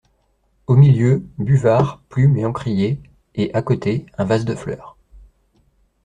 Au milieu, buvard, plume et encrier, et, à côté, un vase de fleurs.